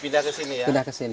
dipindah ke sini